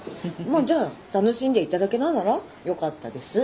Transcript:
まあじゃあ楽しんでいただけたならよかったです。